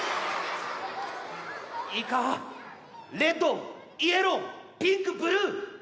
いいかレッドイエローピンクブルー！